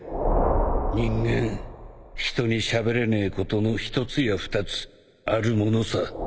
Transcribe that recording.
人間人にしゃべれねえことの一つや二つあるものさ